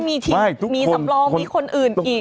มีสำรองมีคนอื่นอีก